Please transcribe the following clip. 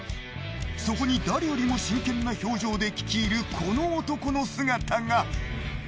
そこに誰よりも真剣な表情で聞き入るこの男の姿が。